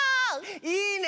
いいね！